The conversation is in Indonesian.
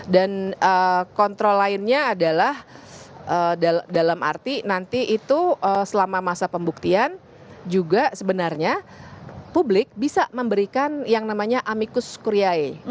dan kontrol lainnya adalah dalam arti nanti itu selama masa pembuktian juga sebenarnya publik bisa memberikan yang namanya amicus curiae